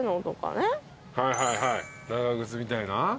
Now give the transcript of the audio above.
はいはいはい長靴みたいな。